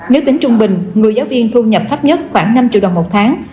nếu tính trung bình người giáo viên thu nhập thấp nhất khoảng năm triệu đồng một tháng